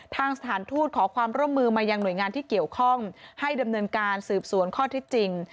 ทางสถานทูตขอความร่วมมือมายังหน่วยงานที่เกี่ยวข้องให้ดำเนินการสืบสวนข้อที่จริง